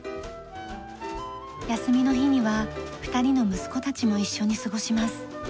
休みの日には２人の息子たちも一緒に過ごします。